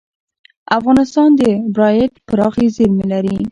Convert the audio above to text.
افغانستان د بیرایت پراخې زیرمې لري.